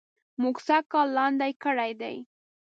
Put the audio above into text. مونږ سږ کال لاندي کړي دي